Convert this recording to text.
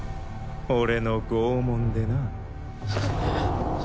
俺の拷問でな。